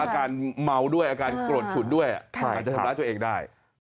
อาการเมาด้วยอาการโกรธฉุนด้วยอาจจะทำร้ายตัวเองได้